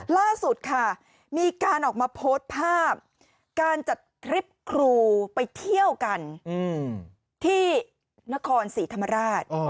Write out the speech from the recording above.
ล่าสุดค่ะมีการออกมาโพสต์ภาพการจัดทริปครูไปเที่ยวกันที่นครศรีธรรมราช